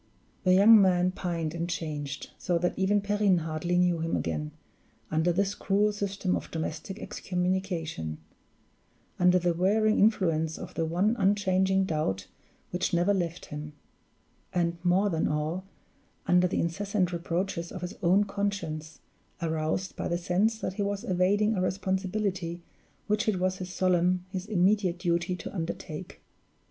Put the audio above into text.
The young man pined and changed, so that even Perrine hardly knew him again, under this cruel system of domestic excommunication; under the wearing influence of the one unchanging doubt which never left him; and, more than all, under the incessant reproaches of his own conscience, aroused by the sense that he was evading a responsibility which it was his solemn, his immediate duty to undertake.